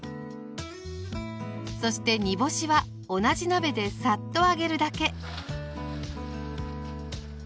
そして煮干しは同じ鍋でサッと揚げるだけ。